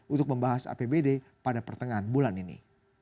untuk membahas apbd pada pertengahan bulan ini